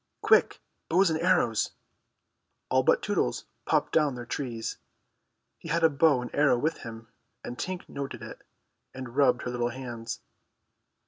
"Quick, bows and arrows!" All but Tootles popped down their trees. He had a bow and arrow with him, and Tink noted it, and rubbed her little hands.